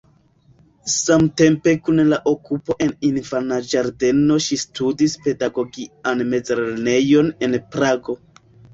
Samtempe kun la okupo en infanĝardeno ŝi studis pedagogian mezlernejon en Prago.